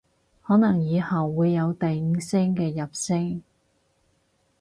可能以後會有第五聲嘅入聲